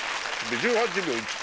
１８秒１９。